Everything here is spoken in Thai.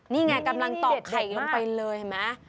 นี่ไงกำลังตอกไข่ลงไปเลยเห็นไหม